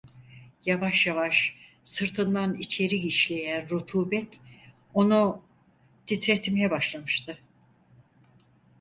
Yavaş yavaş sırtından içeri işleyen rutubet onu titretmeye başlamıştı.